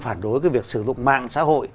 phản đối cái việc sử dụng mạng xã hội